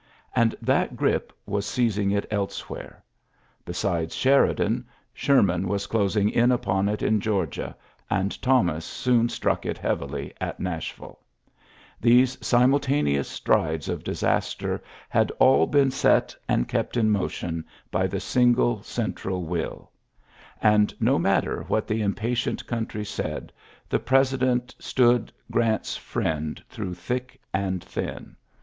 And that grip gi was seizing it elsewhere. Besides Sheri ta dan^ Sherman was closing in upon it tl in Gteorgia^ and Thomas soon struck it heavily at Nashville. These simidta a neous strides of disaster had all been set 7 and kept in motion by the single oen* tral wilL And, no matter what the im patient country said^ the president stood it ULYSSES S. GRANT 111 Qrant^s Mend through thick and thin.